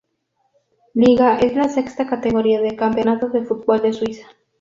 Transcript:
Liga es la sexta categoría del Campeonato de Fútbol de Suiza.